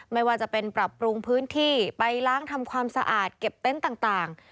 ไม่ว่าจะเป็นปรับปรุงพื้นที่ไปล้างทำความสะอาดเก็บเต็นต์ต่าง